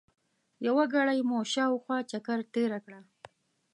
یوه ګړۍ مو په شاوخوا چکر تېره کړه.